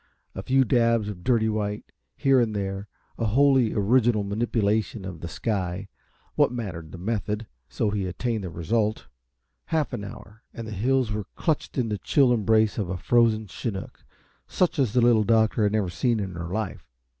A few dabs of dirty white, here and there, a wholly original manipulation of the sky what mattered the method, so he attained the result? Half an hour, and the hills were clutched in the chill embrace of a "frozen chinook" such as the Little Doctor had never seen in her life.